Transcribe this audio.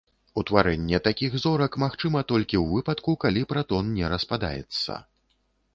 Утварэнне такіх зорак магчыма толькі ў выпадку, калі пратон не распадаецца.